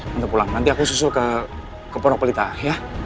tante pulang nanti aku susul ke pondok pelita ya